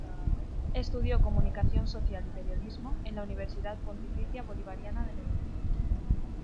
Estudió Comunicación social y Periodismo en la Universidad Pontificia Bolivariana de Medellín.